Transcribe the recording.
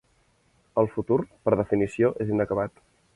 El futur, per definició, és inacabat.